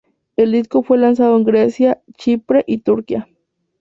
El disco fue lanzado en Grecia, Chipre y Turquía.